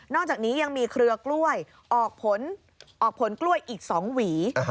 อกจากนี้ยังมีเครือกล้วยออกผลออกผลกล้วยอีก๒หวี